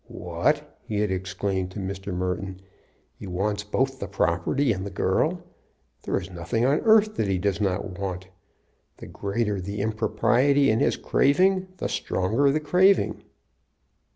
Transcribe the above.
"What!" he had exclaimed to Mr. Merton; "he wants both the property and the girl. There is nothing on earth that he does not want. The greater the impropriety in his craving, the stronger the craving."